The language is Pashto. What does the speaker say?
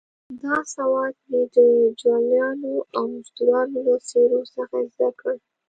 دا سواد مې د جوالیانو او مزدروانو له څېرو څخه زده کړ.